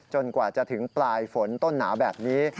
กว่าจะถึงปลายฝนต้นหนาวแบบนี้